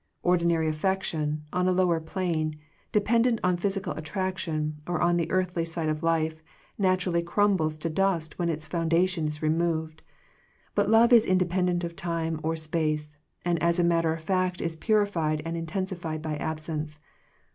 Ordinary affection, on a lower plane, dependent on physical attraction, or on the earthly side of life, naturally crum bles to dust when its foundation is re moved. But love is independent of time or space, and as a matter of fact is puri fied and intensified by absence.